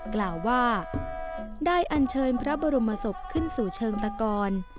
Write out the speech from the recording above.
กล่าวว่าได้อันเชิญพระบรมศพขึ้นสู่เชิงตะกร